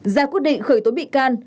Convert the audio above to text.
ra quyết định khởi tố bị can